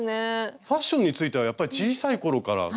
ファッションについてはやっぱり小さい頃から興味があったんですか？